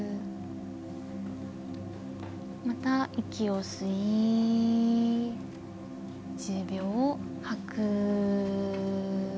また息を吸い、１０秒吐く。